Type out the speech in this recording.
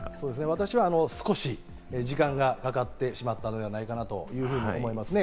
私は少し時間がかかってしまったのではないかなというふうに思いますね。